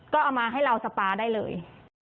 ก็เอามาให้เราสปาได้เลย